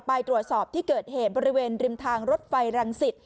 ไปตรวจสอบที่เกิดเหตุบริเวณริมทางรถไฟรังสิต